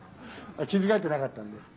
気づかれてなかったので。